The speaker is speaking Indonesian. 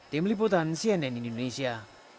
tim liputan cnn indonesia